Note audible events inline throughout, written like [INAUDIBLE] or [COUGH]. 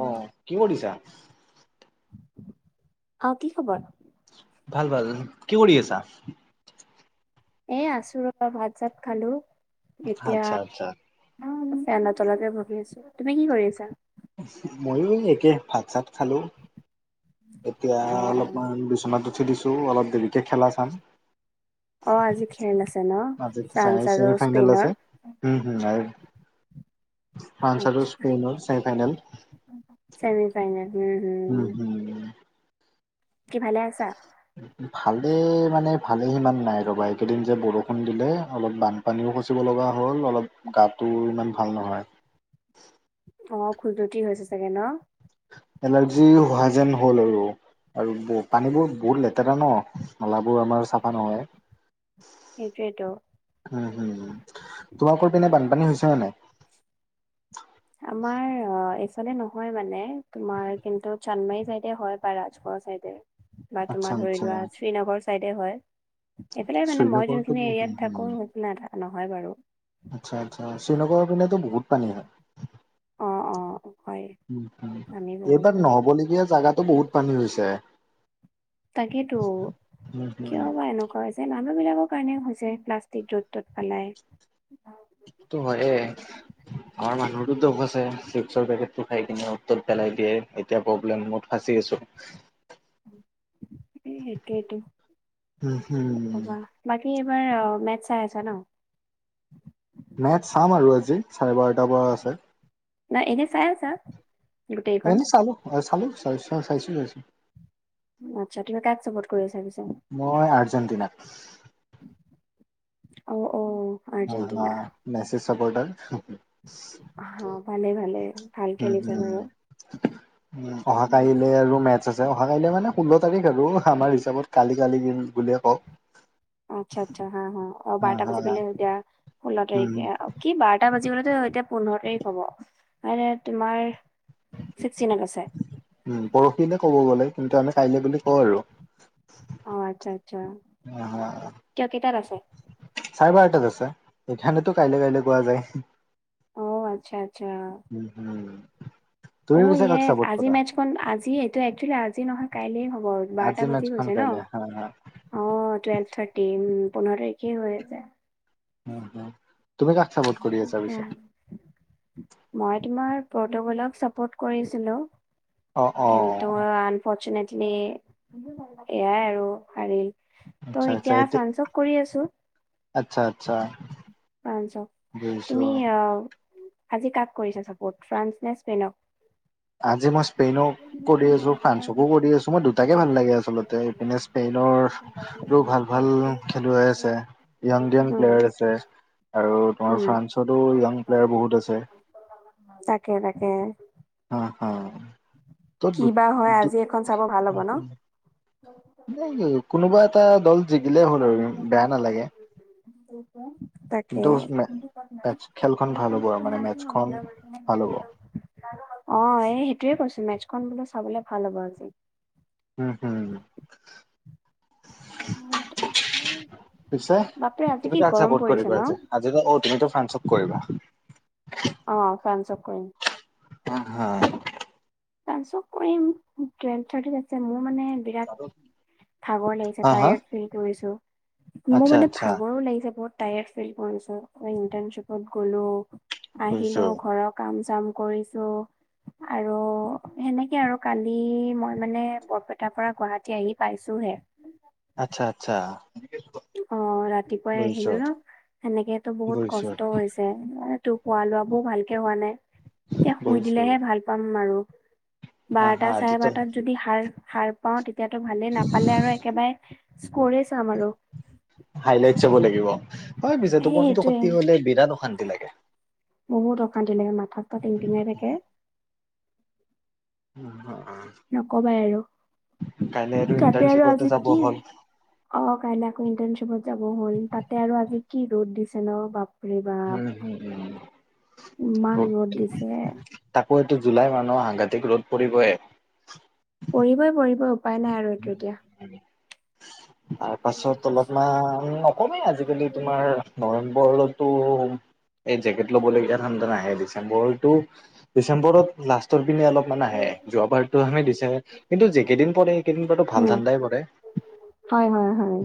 অ কি কৰিছা? অ', কি খবৰ ভাল ভাল কি কৰি আছা এ আছো ৰবা ভাত চাত খালো এতিয়া আচ্ছা আচ্ছা ফে'নৰ তলতে বহি আছো তুমি কি কৰি আছা? ময়ো একে, ভাত চাত খালোঁ। এতিয়া অ অ অলপমান বিচনাত উঠি দিছোঁ, অলপ দেৰিকে খেলা চাম। অ' আজি খেল আছে ন, আজি ফ্ৰান্স ছেমি আৰু ফাইনেল আছে স্পেইনৰ। উ'ম, হয়। ফ্ৰান্স আৰু আচ্ছা স্পেইনৰ ছেমি ফাইনেল। চেমি ফাইনেল, উম। উ, হম হুম। কি ভালে আছা? ভালে মানে ভালে সিমান নাই ৰবা। এইকেইদিন যে বৰষুণ দিলে অলপ বান- পানীও খচিব লগা হ'ল, অলপ গাটো ইমান ভাল নহয়। অ', খোজুতি হৈছে চাগে ন'? এলাৰ্জি হোৱা যেন হ'ল আৰু। আৰু পানীবোৰ বহুত লেতেৰা ন'। নালাবোৰ আমাৰ চাফা নহয়। সেইটোয়েতো উম। উম। তোমালোকৰ পিনে বানপানী হৈছে নে নাই? আমাৰ অ এইফালে নহয় মানে, তোমাৰ কিন্তু চানমাৰী চাইডে হয় বা ৰাজগড় চাইডে বা আচ্ছা তোমাৰ ধৰি আচ্ছা লোৱা শ্ৰীনগৰ চাইডে হয়। সেইফেলাই মানে মই শ্ৰীনগৰতো যোনখিনি উম এৰিয়াত উম থাকো সোকনা নহয় বাৰু আচ্ছা, আচ্ছা। শ্ৰীনগৰৰ পিনেতো বহুত পানী হয়। অ', অ', হয় উম, হম। আমি এইবাৰ বহুতৰ নহ'বলগীয়া জাগাতো বহুত পানী হৈছে। তাকেতো উম কিয় হুম বা এনেকুৱা হৈছ মানুহ বিলাকৰ কাৰণেই হৈছে, প্লাষ্টিক য'ত ত'ত পেলাই। সেইটো হয়ে, আমাৰ মানুহটো দোষ আছে। চৰ পেকেটটো খাই কিনে উত ত'ত পেলাই দিয়ে। এতিয়া প্ৰব্লেমমত ফাচি আছোঁ। এ সেইটোয়েতো উম, হম। কবা বাকী এইবাৰ অ মেটচ চাই আছা ন'? মেটচ চাম আৰু আজি, চাৰে বাৰটাৰ পৰা আছে। নাই এনে চাই আছা? গোটেইখন? এনে চালোঁ, চালোঁ চাইচ চাইছোঁ, চাইছোঁ। আচ্ছা, তুমি কাক চাপোৰ্ট কৰি আছা পিছে? মই আৰ্জেণ্টিনাক। অ', অ। অ, অ। আৰ্জেণ্টিনা মেছি চাপৰ্টাৰ- অ, ভালে। ভালে। ভাল উম, খেলিছে বাৰু। উম। উম, অহাকালিলৈ আৰু মেটচ আছে। অহাকাইলে মানে ষোল্ল তাৰিখ আৰু খানাৰ হিচাপত কালি কালি বুলিয়ে কওঁ। আচ্ছা, আচ্ছা। হা। হা। বাৰটা বাজিবলে এতিয়া, ষোল্ল তাৰিখ উম কি বাৰ এ বাজি গ'লেতো এতিয়া পোন্ধৰ তাৰিখ হ'ব, মানে তোমাৰ ছিক্সটিনত আছে। উম। পৰহিলে ক'ব গ'লে, কিন্তু আমি কাইলে বুলি কওঁ আৰু। অ', আচ্ছা। আচ্ছা। কিয় কেইটাত আছে [UNINTELLIGIBLE] চাৰে বাৰটাত আছে। এইথানেতো কাইলে কাইলে কোৱা যায়। অ', আচ্ছা। আচ্ছা। উম, উম। তুমি ও পিছে কাক ইয়ে। চাপৰ্ট আজি কৰা মেটচখন, আজি এইটো একচুৱেলি আজি নহয় কাইলে হ'ব। বাৰটা আজি বাজি মেটচখন গৈছে ন কাইলে হয়, হয়। অ, টুৱেল্ভ থাৰ্টি। উম পোন্ধৰ তাৰিখে হৈ আছে। অ, অ। তুমি কাক চাপোৰ্ট কৰি আছা এহ, পিছে? মই তোমাৰ পৰ্টুগলক চাপৰ্ট কৰিছিলোঁ। অ অ কিন্তু আনফৰ্চুনেটলি এয়াই আৰু হাৰিল। ত' আচ্ছা, আচ্ছা। এতিয়া এত', ফ্ৰান্সক কৰি আছো আচ্ছা। আচ্ছা। ফ্ৰান্সক। বুজিছো তুমি আহ আজি কাক কৰিছা চাপৰ্ট ফ্ৰান্স নে স্পেইনক? আজি মই স্পেইনক কৰি আছো, ফ্ৰান্সকো কৰি আছো। মই দুটাকে ভাল লাগে আচলতে এইপিনে স্পেইনৰ ভাল ভাল খেলুৱৈ আছে ইয়াং ইয়াং উম প্লেয়াৰ আছে। আৰু তোমাৰ উম ফ্ৰান্সতো য়াং প্লেয়াৰ বহুত আছে। তাকে তাকে। হা হা ত কি বা হয় আজি এখন চাব ভাল হ'ব ন? কোনোবা এটা দল জিকিলেই হ'ল আৰু বেয়া নালাগে। [INAUDIBLE] তাকে। কিন্তু খেলখন ভাল হ'ব আৰু মানে মেটচখন ভাল হ'ব অ', এই সেইটোয়ে কৈছো মেচখন বোলো চাবলে ভাল হ'ব আজি। উম, উম। উম, পিছে বাপৰে আজি তুমি কি কাক গৰম চাপৰ্ট পৰিছে ন কৰিবা আজি? আজিটো অ' তুমিতো ফ্ৰান্সক কৰিবা। অ', ফ্ৰাঞ্চক কৰিম। উম, উম। ফান্সক কৰিম টোৱেল্প থাৰ্টিত আছে মোৰ মানে বিৰাট ভাগৰ লাগিছে হা টায়াৰ্ড ফিল কৰিছো। মোৰ আচ্ছা মানে আচ্ছা ভাগৰো লাগিছে বহুত টায়াৰ্ড ফিল কৰিছো কাৰণ ইন্টাৰ্ণশ্বিপত গ'লো। বুজিছো আহিলো ঘৰৰ কাম চাম কৰিছো আৰু সেনেকে আৰু কালি মই মানে বৰপেটাৰ পৰা গুৱাহাটী আহি পাইছোহে। আচ্ছা আচ্ছা। অ', ৰাতিপুৱাই বুজিছো আহিলো ন সেনেকেতো বহুত বুজিছো কষ্ট হৈছে। এ তোৰ খোৱা লোৱাবোৰ ভালকে হোৱা নাই। এহ শুই বুজিছো দিলেহে ভাল পাম আৰু হা হা বাৰটা চাৰে আজিতো বাৰটাত যদি সাৰ-সাৰ পাওঁ তেতিয়াতো ভালেই নাপালে আৰু একেবাৰে স্ক'ৰে চাম আৰু। হাইলাইট চাব লাগিব। হয় পিছে সেই টোপনিটো সেইটোয়ে ক্ষতি হ'লে বিৰাট অশান্তি লাগে। বহুত অশান্তি লাগে মাথাটো টিংটিঙাই থাকে। উম, উম। নকবাই আৰু তাতে আৰু ইণ্টাৰ্ণশ্বিপতে আজি যাব কি হ'ল। অ', কাইলে আকৌ ইণ্টাৰণশ্বিপত যাব হ'ল তাতে আৰু আজি কি ৰ'দ দিছে ন বাপ উম, উম, উম ইমান ৰ'দ দি দিছে তাকো এইটো জুলাই মাহ ন সাংঘাতিক ৰ'দ পৰিবই। পৰিবই পৰিব। টো এতিয়া। তাৰপাছত অলপমান নকমেই আজিকালি তোমাৰ নৱেম্বৰতো এই জেকেট ল'বলগীয়া ঠাণ্ডা নাহে ডিচেম্বৰতো ডিচেম্বৰত লাষ্টৰ পিনে অলপমান আহে যোৱা বাৰতো আমি দিছে এইটো যি কেইদিন পৰে কেইদিন বাৰু ভাল উম। ঠাণ্ডাই পৰে। হয় হয় হয়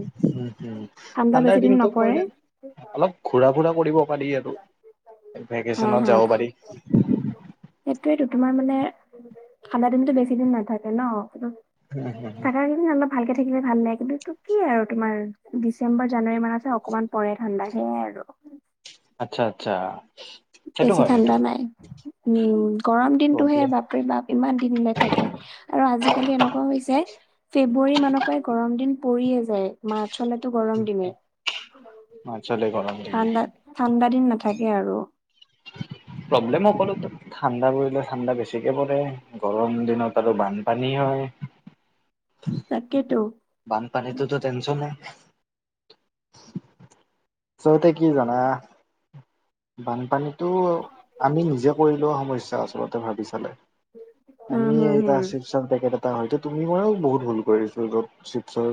ঠাণ্ডা বেছি ঠাণ্ডাৰ দিন দিনটো নপৰে পৰিলে অলপ ঘূৰা ফুৰা কৰিব পাৰি আৰু ভেকেচনত যাব পাৰি। সেইটোয়েইোতো তোমাৰ মানে ঠাণ্ডা দিনতো বেছি দিন নাথাকে ন। ঠাণ্ডা দিনটো অলপ ভালকে থাকিলে ভাল লাগে কিন্তু কি আৰু তোমাৰ ডিচেম্বৰ জানুৱাৰী মানত অকণমান পৰে ঠাণ্ডা সেয়াই আৰু। আচ্ছা আচ্ছা। সেইটো বেছি হয় সেইটো ঠাণ্ডা হয় নাই উম। গৰম দিনটোহে প্ৰব্লেম বাপৰে বাপ ইমান দিনলৈ থাকে আৰু আজিকালি এনেকুৱা হৈছে। ফেব্ৰুৱাৰী মানৰ পৰাই গৰম দিন পৰিয়ে যায় মাৰ্চলৈতো গৰম দিনেই। মাৰ্চলে গৰম দিনে ঠাণ্ডা ঠাণ্ডা দিন নাথাকে আৰু। প্ৰব্লেম অকল ঠাণ্ডা পৰিলে ঠাণ্ডা বেছি তিকে বোলে গৰম দিনত আৰু বানপানী হয়। তাকেটো। বানপানীটো তো টেনচনেই আচলতে কি জানা বানপানীটো আমি নিজে কৰি লোৱা সমস্যা আচলতে ভাবি চালে উম আমি হম এইটা হম আছিলো এটা হয়ত তুমি মইয়ো বহুত ভুল কৰিছো' চিপ চা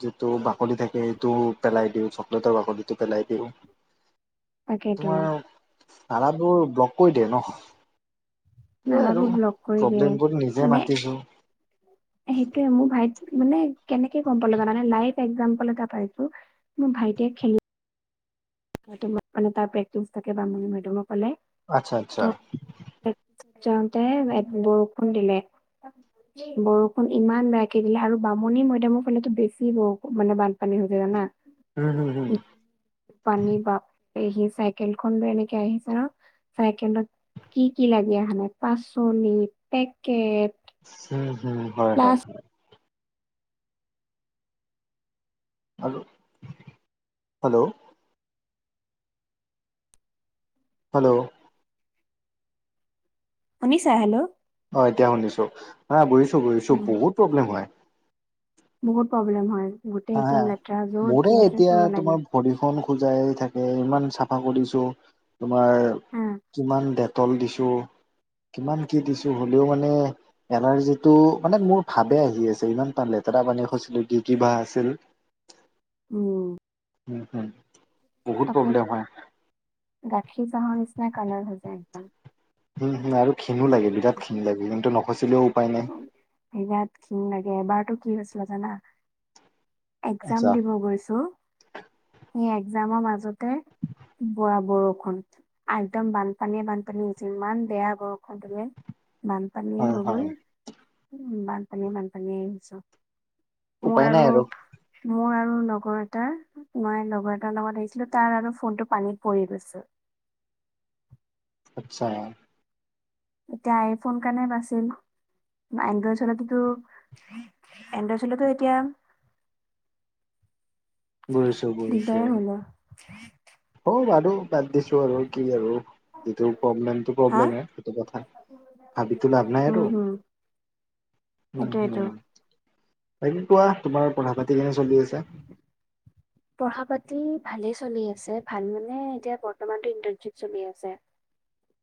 যিটো বাকলি থাকে সেইটো পেলাই দিওঁ, চকলেটৰ বাকলিটো পেলাই দিওঁ। তাকেতো তোমাৰ ধাৰাবোৰ ব্লক কৰি দিয়ে ন এই আৰু নালাবোৰ ব্লক কৰি দিয়ে প্ৰব্লেম বোৰ নিজে মানে মাতিছো। সেইটোয়ে, মোৰ ভাইত মানে কেনেকে গম পালো জানানে লাইভ একজাম্পল এটা পাইছো মোৰ ভাইটিয়ে খেলি মইতো, মানে তাৰ প্ৰেক্টিচ থাকে বামুণীমৈদামৰ ফালে। আচ্ছা আচ্ছা। যাওঁতে বৰষুণ দিলে [INAUDIBLE] বৰষুণ ইমান বেয়াকে দিলে আৰু বামুণীমৈদামৰ ফালেতো বেছি বৰষু, মানে বানপানী হৈ য জানা। উম হুম হুম। পানী বাপৰে সি চাইকেল খন লৈ এনেকে আহিছে আৰু চাইকেলডত কি কি লাগি আহা নাই। পাচলি, পেকেট হুম হুম হয় হয়। প্লাছ হেল্ল' হেল্ল'। হেল্ল'। শুনিছা হেল্ল'। অ', এতিয়া শুনিছো, হা বুজিছো বুজিছো উম বহুত প্ৰব্লেম হয়। বহুত প্ৰব্লেম হয় হা গোটেই হা একদম লেতেৰা য'ত মোৰে যি আছে এতিয়া চব তোমাৰ লাগে। ভৰিখন খোজায়ে থাকে, ইমান চাফা কৰিছো তোমাৰ হা কিমান ডেট টল দিছো, কিমান কি দিছো হ'লেও মানে এলাৰ্জিটো, মানে মোৰ ভাৱে আহি আছে ইমান তাত লেতেৰা পানী খচকিলো কি কিবা আছে [INAUDIBLE] উম। উম হুম বহুত তাকে প্ৰব্লেম হয়। গাখীৰ চাহৰ নিচিনা কালাৰ হৈ যায় একদম। উম হুম আৰু ঘিনো লাগে, বিৰাট ঘিন লাগে কিন্তু নখচিলেও উপায় নাই। বিৰাট ঘিন লাগে। এবাৰতটো কি হৈছিল জানা। এক্জাম আচ্ছা দিব গৈছোঁ, সেই এক্জামৰ মাজতে বুৰা বৰষুণ। একদম বানপানীয়ে বানপানী। যিমান বেয়া বৰষুণ দিয়ে, বানপানী হয় হৈ হয় গ'ল। উ বানপানীয়ে বানপানীয়ে চব। মোৰ উপায় নাই আৰু মোৰ আৰু লগৰ এটাৰ মই লগৰ এটাৰ লগত আহিছিলো তাৰ আৰু ফোনটো পানীত পৰি গৈছে। আচ্ছা। এতিয়া আইফোন কাৰণে বাছিল। এনড্ৰইড চলাটোতো, এনড্ৰইড চলোৱাতোৱে এতিয়া [INAUDIBLE] দিগদাৰেই হ'ল হয়। অ বাৰু বাদ দিছো আৰু কি আৰু যিটো প্ৰব্লেমটো হা প্ৰব্লেমেই, সেইটো কথা ভাবিতো লাভ নাই উম আৰু। হম উম সেইটোয়েটো। হুম, বাকি কোৱা তোমাৰ পঢ়া পাতি কেনে চলি আছে? পঢ়া পাতি ভালে চলি আছে। ভাল মানে এতিয়া বৰ্তমানতো ইণ্টাৰ্ণশ্বিপ চলি আছে।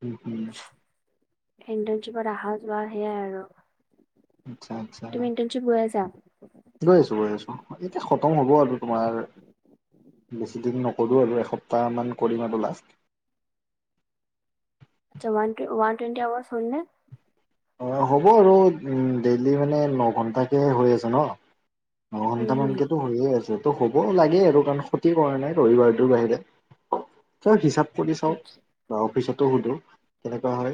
উম উম। ইণ্টাৰ্ণশ্বিপত অহা যোৱা সেইয়াই আৰু। আচ্ছা আচ্চা। তুমি ইণ্টাৰ্ণশ্বিপ গৈ আছা? গৈ আছো গৈ আছো। এতিয়া খতম হ'ব আৰু তোমাৰ বেছি দিন নকৰোঁ আৰু এসপ্তাহমান কৰিম আৰু লাষ্ট। জমানত্ৰি ওৱান টুৱেন্টী আৱাৰ্ছ হল নে? অ' হ'ব আৰু ডেইলি মানে ন ঘণ্টাকে হৈ আছে ন। ন উম হুম ঘণ্টামানকেতো হৈয়ে আছে। ত হ'বও লাগে আৰু কাৰণ ক্ষতি কৰা নাই ৰবিবাৰটোৰ বাহিৰে। হিচাপ কৰি চাওঁ আচ্ছা বা অফিচতো সুধো কেনেকুৱা হয়।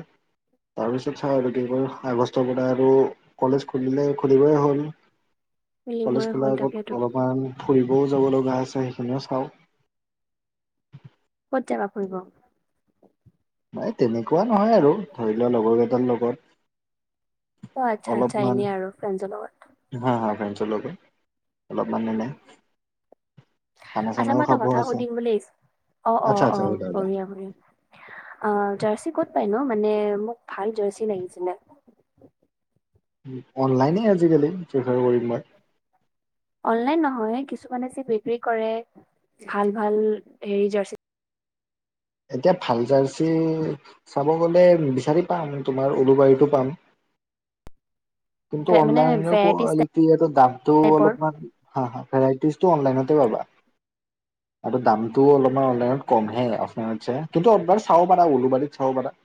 তাৰপিছত চাওঁ আগষ্টৰ পৰা আৰু কলেজ খুলিলে খুলিবই হ'ল। কলেজ মিলিবই হ'ল খোলাৰ আগত তাকেতো অলপমান ফুৰিবও যাব লগা আছে সেইখিনিও চাওঁ। ক'ত যাবা ফুৰিব? নাই তেনেকুৱা নহয় আৰু ধৰি লোৱা লগৰ কেইজন লগত। অ' আচ্ছা, আচ্ছা এনে আৰু ফ্ৰেন্ছৰ লগত। হা-হা ফ্ৰেণ্ডছৰ লগত অলপ মানে এনেই। আচ্ছা মই এটা কথা সুধিম বুলিছো অ', আচ্ছা অ', আচ্ছা অ' সুধা সুধা বঢ়িয়া- বঢ়িয়া অ' জাৰ্চি ক'ত পাই ন? মানে মোক ভাল জাৰ্চি লাগিছিলে। অনলাইনে আজিকালি প্ৰেফাৰ কৰিম মই। অনলাইন নহয়। কিছুমানে যে বিক্ৰী কৰে ভাল-ভাল হেৰি জাৰ্চি। এতিয়া ভাল জাৰ্চি চাব গ'লে বিচাৰি পাম, তোমাৰ উলুবাৰীতো পাম। কিন্তু মানে অনলাইনে ভেৰাইটিজ কোৱালিটি দামটো টাইপৰ অলপমান হা-হা ভেৰাাইটিজটো অনলাইনতে পাবা। আৰু দামতটো অলপমান অনলাইনত কমহে। অফলাইনত কিন্তু অবাৰ চাব পাৰা, উওলুবাৰীত চাব পাৰা।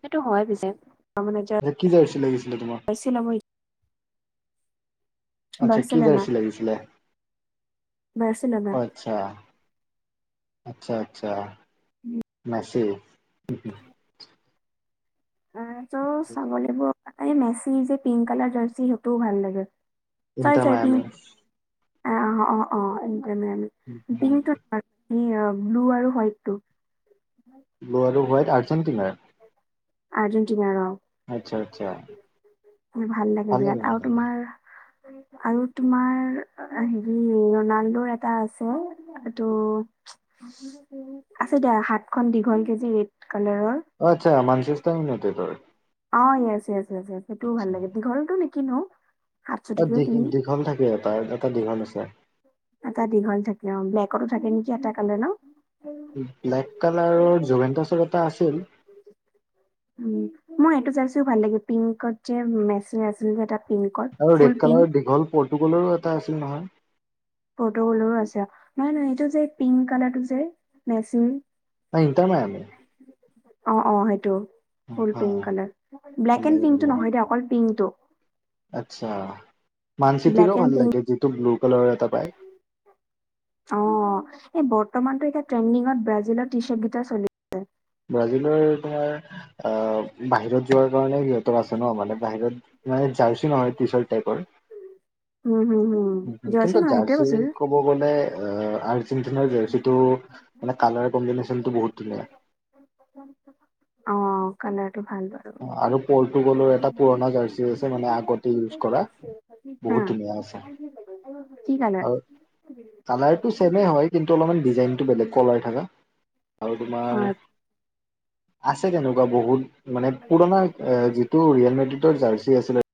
সেইটো হয় পিছে ত মানে কি যাইি লাগিছিলে তোমাক জাৰ্চি ন মই আচ্ছা কি বাৰ্চিলোনা জাৰ্চি লাগিছিলে? বাৰ্চিলোনা হয়। আচ্ছা-আচ্ছা-আচ্ছা। অ' মেছি। ত চাবলে গলে মেচি যে পিংক কালাৰ জাৰ্চি সেইটোও ভাল লাগে। চয়, ইণ্টাৰ চয়, পি মায়ামি অ', অ', অ' একদমে পিং। এই ব্লু আৰু হোৱাইট টো। হয়। ব্লু আৰু হোৱাইট আৰ্জেণ্টিনাৰ। আৰ্জেণ্টিনা অ' আচ্ছা-আচ্ছা। ভাল লাগে বিৰাট আৰু তোমাৰ আৰু তোমাৰ হেৰি ৰনাল্ড এটা আছে। এইটো আছে দিয়া হাতখন দীঘল কৈ যে ৰেড কালাৰৰ। আচ্ছা মানস [UNINTELLIGIBLE] থাই নতে ত [UNINTELLIGIBLE] অ' য়েছ-য়ছ-য়ছ সেইটোও ভাল লাগে দীঘলতো নেকি নো। দীঘ-দীঘল থাকে এ তাৰ এটা দীঘল আছে। এটা দীঘল থাকে অ' ব্লেকতো থাকে নেকি এটা কালাৰ ন। ব্লেক কালাৰৰ জোগেনা চল এটা আছিল। উ' মোৰ সেইটো চাইছোও ভাল লাগে পিংকত যে মেচ আছিল যে তাত পিংকৰ ফুল পিংক। পৰ্টুগালৰো এটা আছিল নহয়। পৰ্তুগাল আছে। নহয়, নহয় এইটো যে পিংক কালাৰ টো যে মেচি। নাই ইণ্টাৰৰ ম [UNINTELLIGIBLE] আমি অ', অ', সেইটো ফুল হা পিংক কালাৰ। ভাল ব্লেক এণ্ড লাগে ভাল পিংকটো লাগে নহয় দে অকল পিংকটো। আচ্ছা মান ব্লেক চিতিৰো এণ্ড ভাল পিংক লাগে যিটো ব্লু কালাৰ এটা পায়। অ', এই বৰ্তমানটো এতিয়া ট্ৰেণ্ডিঙত ব্ৰাজিলৰ টি চাৰ্ট কেইটা চলি ব্ৰাজিলৰ তোমাৰ আহ বাহিৰত যোৱাৰ কাৰণে সিহঁতৰ আছে ন। মানে বাহিৰত মানে জাৰ্চি নহয় টি চাৰ্ত ট্ৰাইপৰ। উম, হম, হম জাৰ্ছি কিন্তু নহয় সেইটোৱেই জাৰ্চি কৈছোঁ। ক'ব গ'লে আৰ্জেণ্টিনাৰ জাৰ্চিটো মানে কালাৰ কম্বিনেশ্বনটো বহুত ধুনীয়া। অ', কালাৰটো বাৰু। আৰু পৰ্টুগালৰ এটা পুৰণা জাৰ্চি আছে মানে আগতে ইউজ কৰা। হা, বহুত ধুনীয়া আছে। [INAUDIBLE] আৰু কালাৰটো ছেমে হয়। কিন্তু অলপমান ডিজাইনটো বেলেগ কলাৰ থকা। আৰু তোমাৰ অ', আছে তেনেকুৱা বহুত মানে পুৰণা যিটো ৰিয়েল [UNINTELLIGIBLE] জাৰ্চি আছিলে।